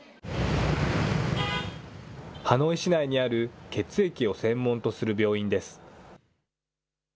ハノイ市内にある血液を専門とする病院です。